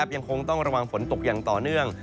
ยังคงต้องระวังฝนตกอย่างต่อเนื่อง